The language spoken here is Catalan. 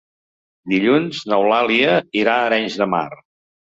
Dilluns n'Eulàlia irà a Arenys de Mar.